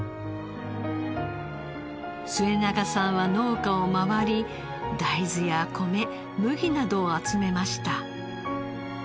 末永さんは農家を回り大豆や米麦などを集めました。